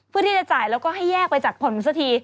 เพื่อที่จะจ่ายแล้วก็ให้แยกไปจากผลสักที